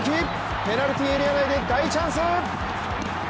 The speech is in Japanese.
ペナルティーエリアで大チャンス！